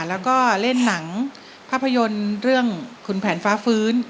แล้วก็เล่นหนังภาพยนตร์เรื่องขุนแผนฟ้าฟื้น